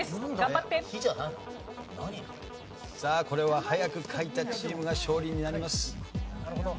さあこれは早く書いたチームが勝利になります。